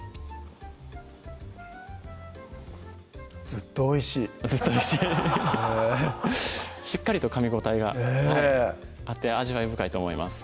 ずっとおいしいしっかりとかみ応えがあって味わい深いと思います